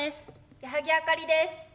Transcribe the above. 矢作あかりです。